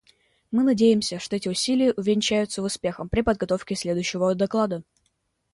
Мы надеемся, что эти усилия увенчаются успехом при подготовке следующего доклада.